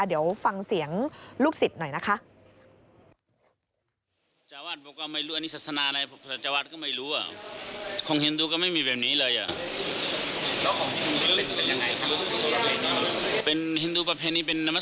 เดี๋ยวฟังเสียงลูกศิษย์หน่อยนะคะ